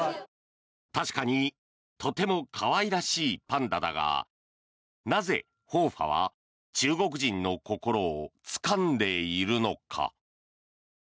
確かにとても可愛らしいパンダだがなぜ和花は中国人の心をつかんでいるのか。